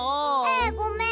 えごめん。